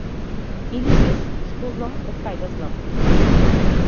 Или шес, шо знам, откај да знам.